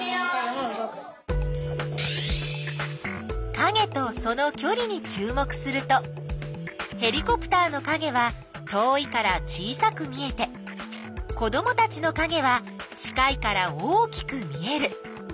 かげとそのきょりにちゅう目するとヘリコプターのかげは遠いから小さく見えて子どもたちのかげは近いから大きく見える。